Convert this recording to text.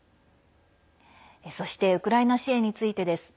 そしてウクライナ支援についてです。